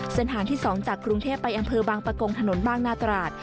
เส้นทางที่๒จากกรุงเทพไปอำเภอบางปะกงถนนบางนาตราด